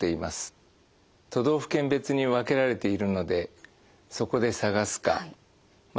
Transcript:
都道府県別に分けられているのでそこで探すかまあ